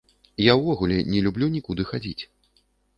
Я ўвогуле не люблю нікуды хадзіць.